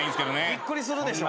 びっくりするでしょ。